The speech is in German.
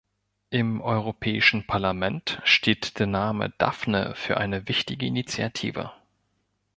Im Europäischen Parlament steht der Name Daphne für eine wichtige Initiative.